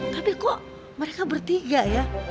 tapi kok mereka bertiga ya